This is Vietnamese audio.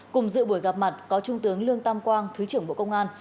cùng dự buổi gặp mặt có trung tướng lương tam quang thứ trưởng bộ công an